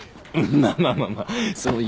まあまあまあまあそう言わないで！